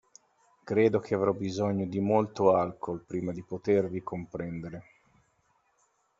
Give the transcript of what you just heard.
Credo che avrò bisogno di molto alcol, prima di potervi comprendere.